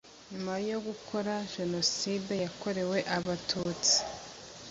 nyuma yo gukora genocide yakorewe abatutsi